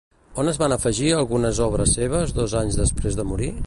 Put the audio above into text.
On es van afegir algunes obres seves dos anys després de morir?